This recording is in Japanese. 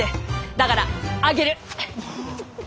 だからあげる！